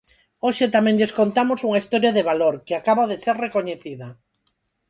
Hoxe tamén lles contamos unha historia de valor, que acaba de ser recoñecida.